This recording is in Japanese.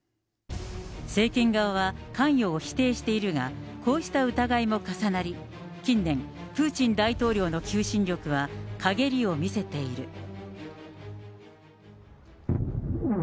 政権側は、関与を否定しているが、こうした疑いも重なり、近年、プーチン大統領の求心力はかげりを見せている。